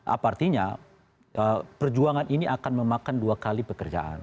apa artinya perjuangan ini akan memakan dua kali pekerjaan